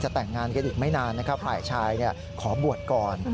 แต่งงานกันอีกไม่นานนะครับฝ่ายชายขอบวชก่อน